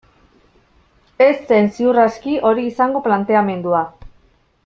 Ez zen, ziur aski, hori izango planteamendua.